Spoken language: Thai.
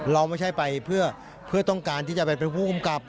เราไม่ใช่ไปเพื่อต้องการที่จะไปเป็นผู้กำกับ